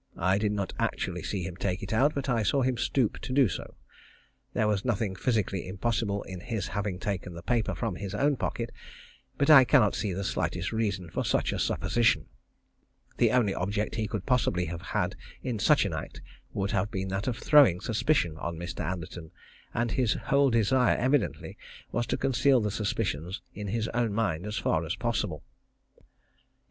I did not actually see him take it out, but I saw him stoop to do so. There was nothing physically impossible in his having taken the paper from his own pocket, but I cannot see the slightest reason for such a supposition. The only object he could possibly have had in such an act would have been that of throwing suspicion on Mr. Anderton, and his whole desire evidently was to conceal the suspicions in his own mind as far as possible. 11.